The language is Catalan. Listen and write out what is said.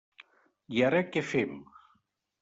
I ara què fem?